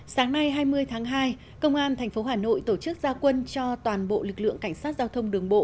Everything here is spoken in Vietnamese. sáng nay hai mươi tháng hai công an tp hà nội tổ chức gia quân cho toàn bộ lực lượng cảnh sát giao thông đường bộ